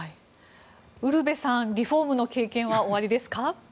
ウルヴェさんリフォームの経験はありますか？